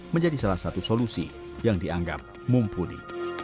menjadi salah satu solusi yang dianggap mumpuni